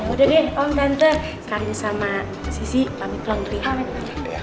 udah deh om tante karin sama sisi pamit pelan pria